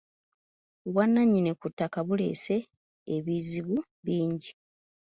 Obwannannyini ku ttaka buleese ebizibu bingi.